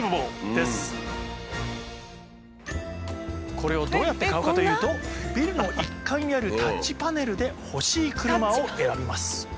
これをどうやって買うかというとビルの１階にあるタッチパネルで欲しい車を選びます。